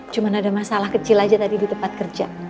cuma ada masalah kecil aja tadi di tempat kerja